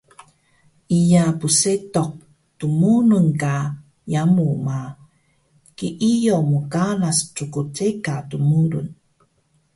Iya psetuq dmurun ka yamu ma, kiiyo mqaras ckceka dmurun